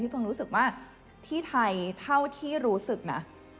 เพิ่งรู้สึกว่าที่ไทยเท่าที่รู้สึกนะ